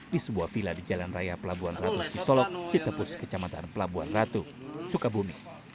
di sebuah vila di jalan raya pelabuhan ratu di solok citebus kecamatan pelabuhan ratu sukabumi